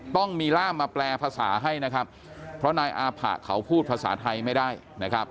ต้องมีร่ามมาแปลภาษาให้นะครับเพราะนายอาผะเขาพูดภาษาไทยไม่ได้นะครับ